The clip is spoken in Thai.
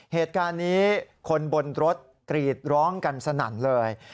เหตุการณ์นี้คนบนรถกรีดร้องกันสนั่นเลย